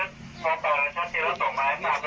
ติดเตียงได้ยินเสียงลูกสาวต้องโทรโทรศัพท์ไปหาคนมาช่วย